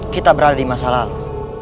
kita berada di masa lalu